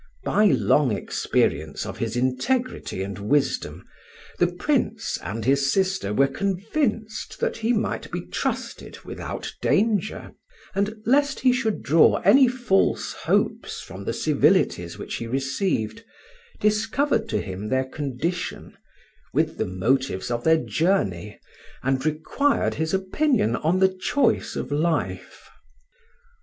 By long experience of his integrity and wisdom, the Prince and his sister were convinced that he might be trusted without danger; and lest he should draw any false hopes from the civilities which he received, discovered to him their condition, with the motives of their journey, and required his opinion on the choice of life.